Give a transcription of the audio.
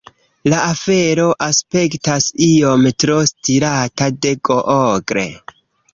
La afero aspektas iom tro stirata de Google.